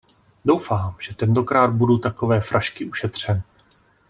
Doufám, že tentokrát budu takové frašky ušetřen.